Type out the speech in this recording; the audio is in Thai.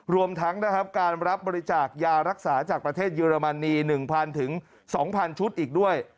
รวมทั้งนะครับการรับบริจาคยารักษาจากประเทศเยอรมนี๑๐๐๒๐๐ชุดอีกด้วย